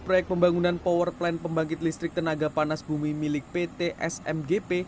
proyek pembangunan power plan pembangkit listrik tenaga panas bumi milik pt smgp